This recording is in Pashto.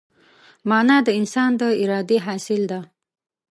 مانا د انسان د ارادې حاصل ده.